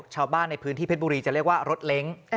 ชาวบ้านในพื้นที่เพชรบุรีจะเรียกว่ารถเล้ง